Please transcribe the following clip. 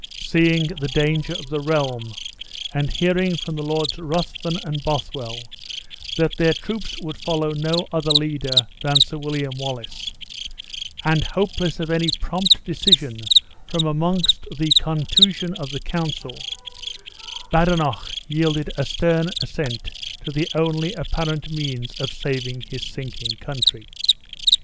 Seeing the danger of the realm, and hearing from the Lords Ruthven and Bothwell that their troops would follow no other leader than Sir William Wallace, and hopeless of any prompt decision from amongst the contusion of the council, Badenoch yielded a stern assent to the only apparent means of saving his sinking country.